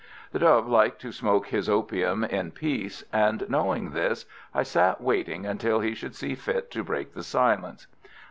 The Doy liked to smoke his opium in peace, and, knowing this, I sat waiting until he should see fit to break the silence.